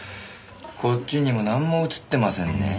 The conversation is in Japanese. こっちにもなんも写ってませんねぇ。